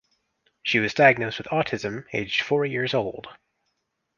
She was diagnosed with autism aged four years old.